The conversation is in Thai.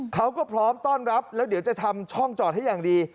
เขาก็พร้อมต้อนรับแล้วเดี๋ยวจะทำช่องจอดให้อย่างดี